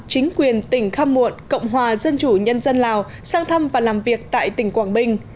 chính quyền tỉnh khăm muộn cộng hòa dân chủ nhân dân lào sang thăm và làm việc tại tỉnh quảng bình